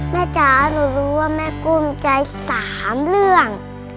แม่จ๋าหนูรู้ว่าแม่กลุ้มใจสามเรื่อง